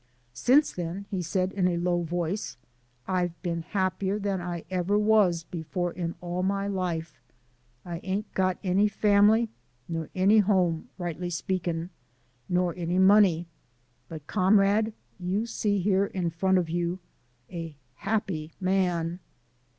"Since then," he said in a low voice, "I've been happier than I ever was before in all my life. I ain't got any family, nor any home rightly speakin' nor any money, but, comrade, you see here in front of you, a happy man."